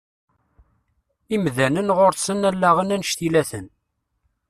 Imdanen ɣuṛ-sen allaɣen annect-ilaten.